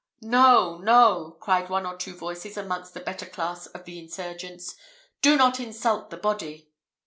"No, no," cried one or two voices amongst the better class of the insurgents; "do not insult the body."